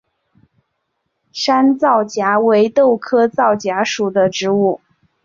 山皂荚为豆科皂荚属的植物。